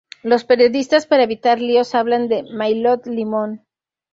Los periodistas para evitar líos hablan del maillot limón.